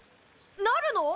なるの！？